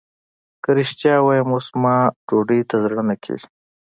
که رښتيا ووايم اوس زما ډوډۍ ته زړه نه کېږي.